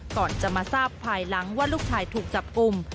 ก่อนจะมาทราบภายหลังว่าลูกชายถูกจับกลุ่ม